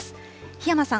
檜山さん